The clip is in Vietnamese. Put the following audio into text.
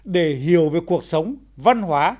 để hiểu về cuộc sống văn hóa